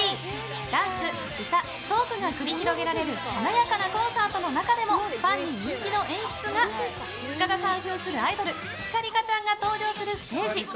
ダンス、歌、トークが繰り広げられる華やかなコンサートの中でもファンに人気の演出が塚田さん扮するアイドルつかりかちゃんが登場するステージ。